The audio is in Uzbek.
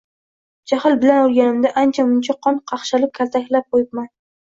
Jahl bilan urganimda ancha muncha qon qaqshatib kaltaklab qoʻyibman